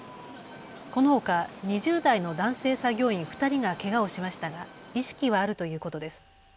このほか２０代の男性作業員２人がけがをしましたが意識はあるということです。